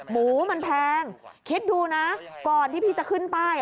หมูมันแพงคิดดูนะก่อนที่พี่จะขึ้นป้าย